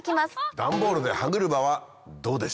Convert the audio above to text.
ダンボールで歯車はどうでしょう？